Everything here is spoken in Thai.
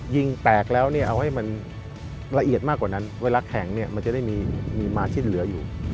ยิงแตกแล้วเนี่ยเอาให้มันละเอียดมากกว่านั้นเวลาแข็งเนี่ยมันจะได้มีมาสิ้นเหลืออยู่